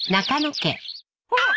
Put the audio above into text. あっ！